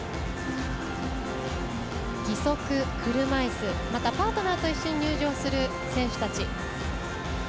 義足、車いすまた、パートナーと一緒に入場する選手たち。